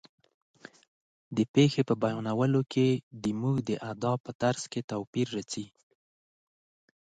د پېښې په بیانولو کې زموږ د ادا په طرز کې توپیر راځي.